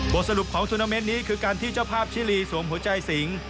สรุปของซูนาเมนต์นี้คือการที่เจ้าภาพชิลีสวมหัวใจสิง